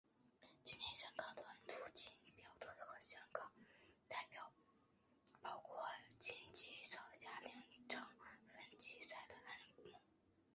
今年香港短途锦标的香港代表包括今季扫下两场分级赛的安畋。